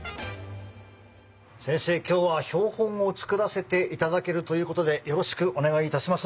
先生今日は標本を作らせていただけるということでよろしくお願いいたします。